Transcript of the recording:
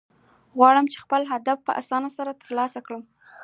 غواړم، چي خپل هدف په آساني سره ترلاسه کړم.